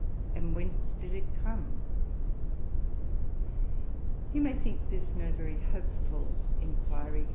and whence did it come? You may think this no very hopeful inquiry.